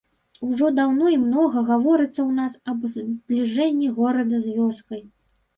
Ужо даўно і многа гаворыцца ў нас аб збліжэнні горада з вёскай.